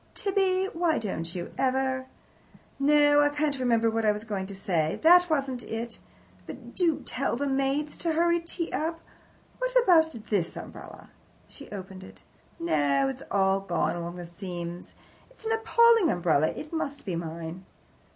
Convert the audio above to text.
Tibby, why don't you ever No, I can't remember what I was going to say. That wasn't it, but do tell the maids to hurry tea up. What about this umbrella?" She opened it. "No, it's all gone along the seams. It's an appalling umbrella. It must be mine."